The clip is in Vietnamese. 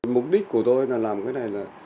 mục đích của tôi là làm cái này là